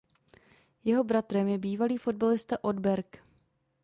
Jeho bratrem je bývalý fotbalista Odd Berg.